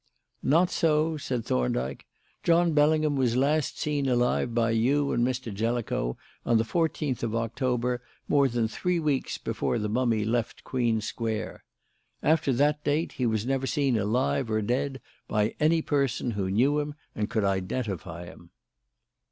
"Not so," said Thorndyke. "John Bellingham was last seen alive by you and Mr. Jellicoe on the fourteenth of October, more than three weeks before the mummy left Queen Square. After that date he was never seen alive or dead by any person who knew him and could identify him."